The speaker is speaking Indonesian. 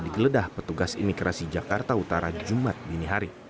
digeledah petugas imigrasi jakarta utara jumat dini hari